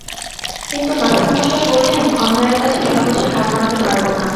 কিন্তু মাস্টারমশায় বললেন, অন্যায়ের কাছে সহজে হার মানতে পারব না।